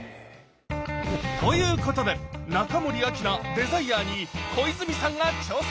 ということで中森明菜「ＤＥＳＩＲＥ−情熱−」に小泉さんが挑戦！